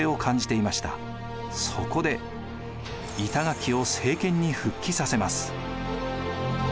そこで板垣を政権に復帰させます。